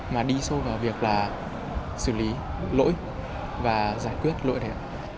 mà đi sâu vào việc là xử lý lỗi và giải quyết lỗi này